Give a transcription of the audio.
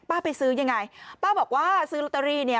ไปซื้อยังไงป้าบอกว่าซื้อลอตเตอรี่เนี่ย